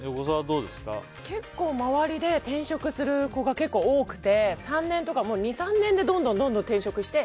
結構、周りで転職する子が結構多くて３年とか、２３年でどんどん転職して。